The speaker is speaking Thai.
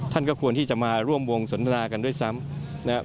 ท่านก็ควรที่จะมาร่วมวงสนทนากันด้วยซ้ำนะครับ